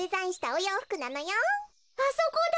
あそこだ！